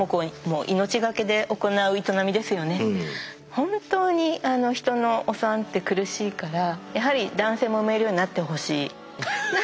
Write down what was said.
本当にヒトのお産って苦しいからやはり男性も産めるようになってほしい。